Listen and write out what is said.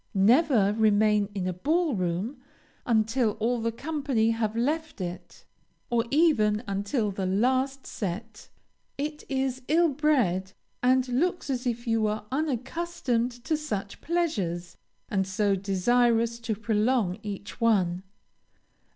Never remain in a ball room until all the company have left it, or even until the last set. It is ill bred, and looks as if you were unaccustomed to such pleasures, and so desirous to prolong each one.